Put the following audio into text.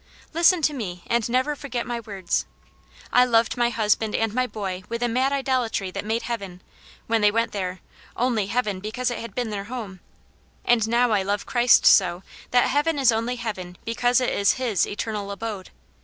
Listen to me, and never forget my words. I loved my husband and my boy with a mad idolatry that made heaven, when they went there, only heaven because it had become their home. And now I love Christ so that heaven is only heaven be cause it is His eternal abode.